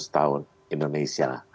seratus tahun indonesia